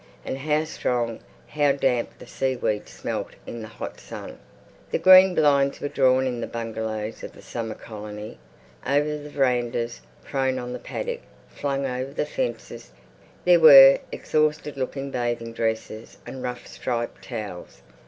And how strong, how damp the seaweed smelt in the hot sun.... The green blinds were drawn in the bungalows of the summer colony. Over the verandas, prone on the paddock, flung over the fences, there were exhausted looking bathing dresses and rough striped towels.